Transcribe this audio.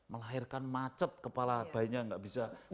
melahirkan macet kepala bayinya gak bisa masuk ke situ